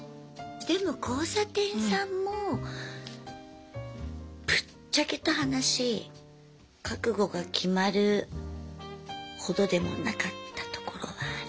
でも交差点さんもぶっちゃけた話覚悟が決まるほどでもなかったところはある？